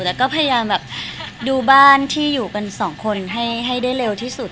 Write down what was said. แล้วก็พยายามแบบดูบ้านที่อยู่กันสองคนให้ได้เร็วที่สุด